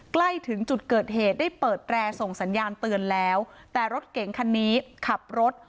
ใกล้ถึงจุดเกิดเหตุได้เปิดแรส่งสัญญาณเตือนแล้วแต่รถเก๋งคันนี้ขับรถ